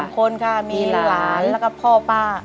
คนค่ะมีหลานแล้วก็พ่อป้า